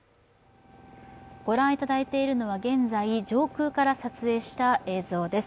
ご覧いただいているのは現在上空から撮影した映像です。